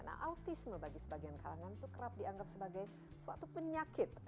nah autisme bagi sebagian kalangan itu kerap dianggap sebagai suatu penyakit